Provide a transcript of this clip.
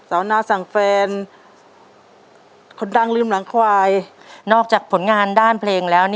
จำได้ไหมว่าพี่พึ่งเพลงอะไรบ้างที่ป้าได้ได้นำผลงานของพี่พึ่งมาร้อง